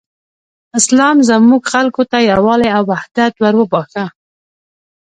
اسلام زموږ خلکو ته یووالی او حدت وروباښه.